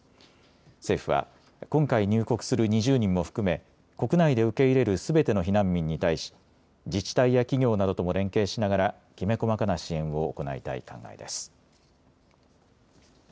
政府は今回、入国する２０人も含め国内で受け入れるすべての避難民に対し自治体や企業などとも連携しながらきめ細かな支援を行いたい考えです。